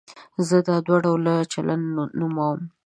زه دا دوه ډوله چلند نوموم.